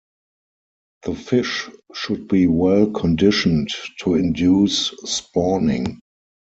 The fish should be well conditioned to induce spawning.